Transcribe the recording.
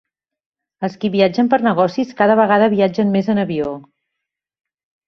Els qui viatgen per negocis cada vegada viatgen més en avió.